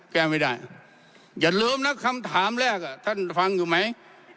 แก้ไม่ได้อย่าลืมนะคำถามแรกท่านฟังอยู่ไหม